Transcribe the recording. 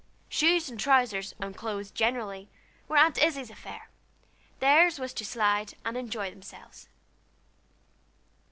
Shoes and trousers, and clothes generally, were Aunt Izzie's affair; theirs was to slide and enjoy themselves.